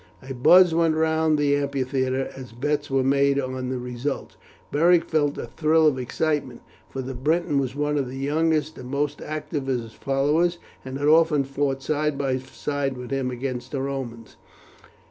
A buzz went round the amphitheatre as bets were made on the result. Beric felt a thrill of excitement, for the Briton was one of the youngest and most active of his followers, and had often fought side by side with him against the Romans.